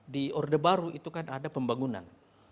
di orde baru itu kan ada pembangunan